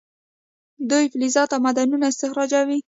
دوی فلزات او معدنونه استخراجوي.